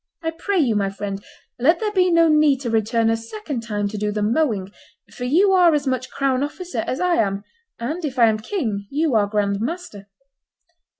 I pray you, my friend, let there be no need to return a second time to do the mowing, for you are as much crown officer as I am, and, if I am king, you are grand master."